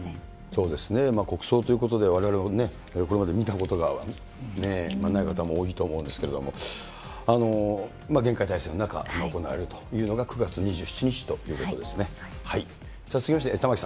そうですね、国葬ということで、われわれもこれまで見たことがない方も多いと思うんですけれども、厳戒態勢の中、行われるというのが、９月２７日ということですね。